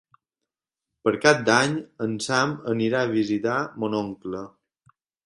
Per Cap d'Any en Sam anirà a visitar mon oncle.